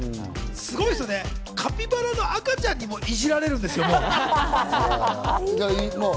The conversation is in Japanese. すごいよね、カピバラの赤ちゃんにもいじられるんですから、もう。